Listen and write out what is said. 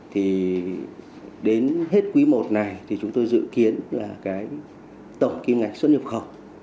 thì đến hết quý i này thì chúng tôi dự kiến là cái tổng kim ngạch xuất nhập khẩu